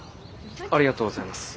ありがとうございます。